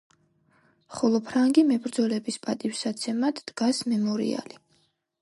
ხოლო ფრანგი მებრძოლების პატივსაცემად დგას მემორიალი.